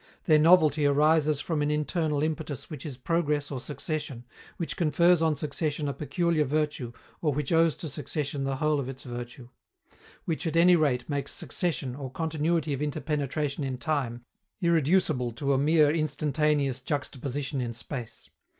Their novelty arises from an internal impetus which is progress or succession, which confers on succession a peculiar virtue or which owes to succession the whole of its virtue which, at any rate, makes succession, or continuity of interpenetration in time, irreducible to a mere instantaneous juxtaposition in space.